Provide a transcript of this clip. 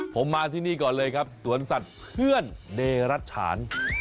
ผมมาที่นี่ก่อนเลยครับสวนสัตว์เพื่อนเดรัชฉาน